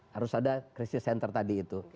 harus ada krisis center tadi itu